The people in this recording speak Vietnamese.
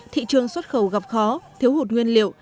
thị trường xuất khẩu gặp khó thiếu hụt nguyên liệu